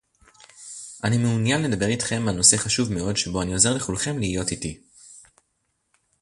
אני מעוניין לדבר איתכם על נושא חשוב מאד שבו אני עוזר לכולכם להיות איתי